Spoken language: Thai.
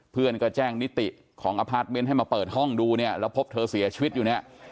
เพื่อนก็แจ้งนิติของอพาร์ทเมนต์ให้มาเปิดห้องดูเนี่ยแล้วพบเธอเสียชีวิตอยู่เนี่ย